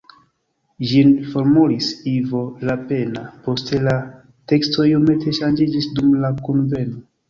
Ĝin formulis Ivo Lapenna, poste la teksto iomete ŝanĝiĝis dum la kunveno.